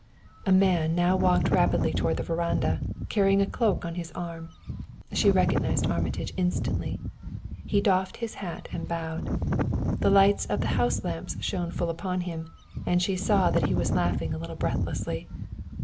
A man now walked rapidly toward the veranda, carrying a cloak on his arm. She recognized Armitage instantly. He doffed his hat and bowed. The lights of the house lamps shone full upon him, and she saw that he was laughing a little breathlessly.